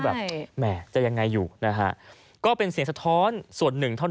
แบบแหมจะยังไงอยู่นะฮะก็เป็นเสียงสะท้อนส่วนหนึ่งเท่านั้น